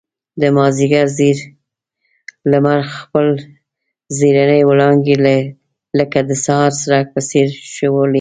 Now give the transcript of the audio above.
د مازيګر زېړ لمر خپل زرينې وړانګې لکه د سهار څرک په څېر ښوولې.